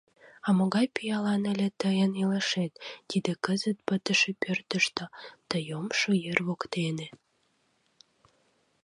А могай пиалан ыле тыйын илышет тиде кызыт пытыше пӧртыштӧ, ты йомшо ер воктене!